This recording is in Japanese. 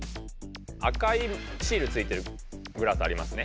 赤いシールついてるグラスありますね。